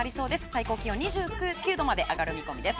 最高気温は２９度まで上がる見込みです。